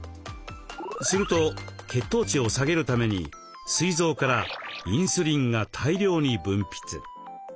すると血糖値を下げるためにすい臓からインスリンが大量に分泌。